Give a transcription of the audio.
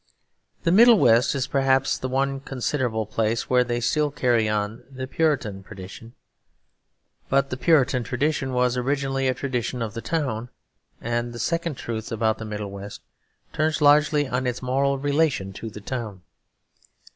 The Middle West is perhaps the one considerable place where they still carry on the Puritan tradition. But the Puritan tradition was originally a tradition of the town; and the second truth about the Middle West turns largely on its moral relation to the town.